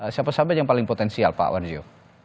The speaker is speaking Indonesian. siapa siapa yang paling potensial pak warjo